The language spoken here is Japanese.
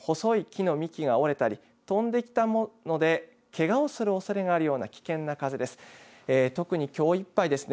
こういった風は細い木の幹が折れたり飛んできたものでけがをするおそれがあるような危険な風です。